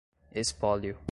espólio